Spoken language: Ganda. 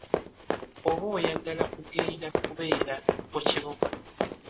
Oba oyagala kugenda kubeera ku kibuga